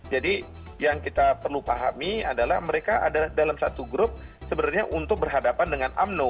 jadi yang kita perlu pahami adalah mereka adalah dalam satu grup sebenarnya untuk berhadapan dengan umno